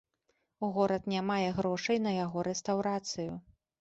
Горад не мае грошай на яго рэстаўрацыю.